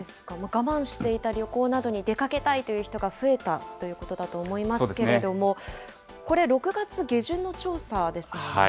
我慢していた旅行などに出かけたいという人が増えたということだと思いますけれども、これ、６月下旬の調査ですもんね。